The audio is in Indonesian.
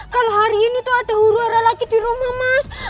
kalau hari ini tuh ada huru hara lagi di rumah mas